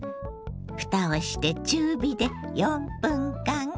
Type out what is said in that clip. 蓋をして中火で４分間。